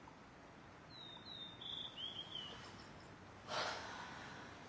はあ。